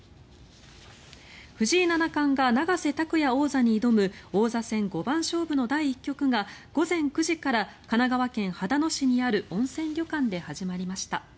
藤井七冠が永瀬拓矢王座に挑む王座戦五番勝負の第１局が午前９時から神奈川県秦野市にある温泉旅館で始まりました。